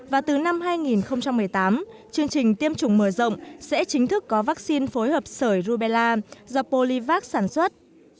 và từ năm hai nghìn một mươi tám chương trình tiêm chủng mở rộng sẽ chính thức có vaccine phối hợp sởi rubella do polivac sản xuất